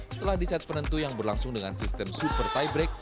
setelah di set penentu yang berlangsung dengan sistem super tiebreak